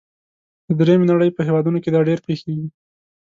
د دریمې نړۍ په هیوادونو کې دا ډیر پیښیږي.